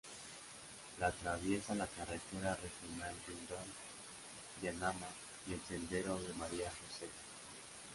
La atraviesa la carretera regional Yungay-Yanama y el sendero de María Josefa.